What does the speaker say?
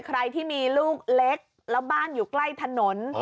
ใครที่มีลูกเล็กแล้วบ้านอยู่ใกล้ถนน